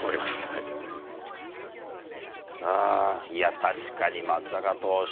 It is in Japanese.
確かに松坂投手